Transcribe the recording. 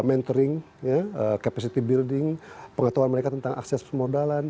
mentoring capacity building pengetahuan mereka tentang akses permodalan